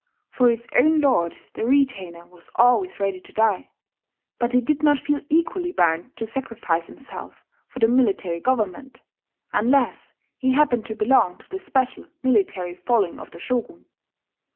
For his own lord the retainer was always ready to die; but he did not feel equally bound to sacrifice himself for the military government, unless he happened to belong to the special military following of the Shogun.